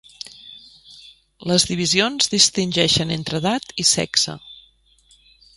Les divisions distingeixen entre edat i sexe.